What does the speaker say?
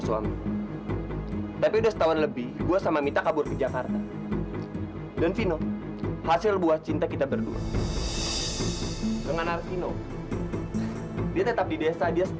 sampai jumpa di video selanjutnya